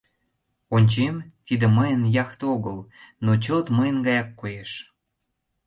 Ончем — тиде мыйын яхте огыл, но чылт мыйын гаяк коеш.